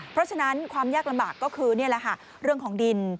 เพราะฉะนั้นความยากลำบากก็คือนี่แหละค่ะเรื่องของดิน